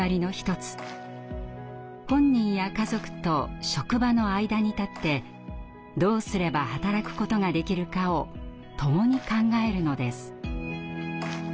本人や家族と職場の間に立ってどうすれば働くことができるかをともに考えるのです。